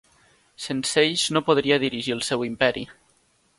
Sense ells no podria dirigir el seu imperi.